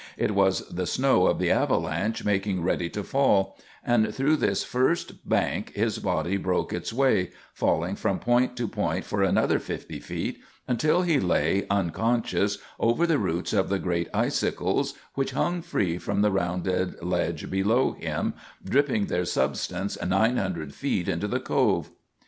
It was the snow of the avalanche making ready to fall; and through this first bank his body broke its way, falling from point to point for another fifty feet, until he lay unconscious over the roots of the great icicles which hung free from the rounded ledge below him, dripping their substance nine hundred feet into the Cove.